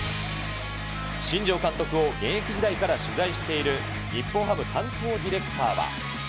新庄監督を現役時代から取材している日本ハム担当ディレクターは。